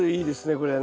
これはね。